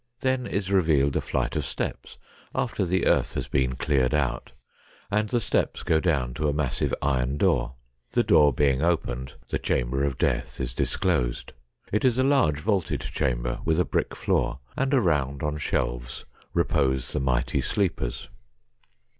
Then is revealed a flight of steps after the earth has been cleared out, and the steps go down to a massive iron door. The door being opened, the chamber of death is disclosed. It is a large vaulted chamber, with a brick floor, and around on shelves repose the mighty sleepers.